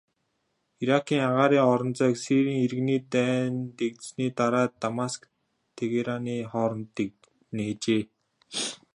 Иракийн агаарын орон зайг Сирийн иргэний дайн дэгдсэний дараа Дамаск-Тегераны хооронд нээжээ.